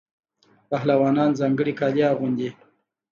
پهلوانان ځانګړي کالي اغوندي.